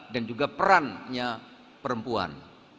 dan juga perannya perempuan